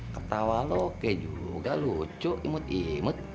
ketawa lo oke juga lucu imut imut